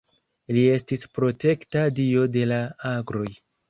Li estis protekta dio de la agroj.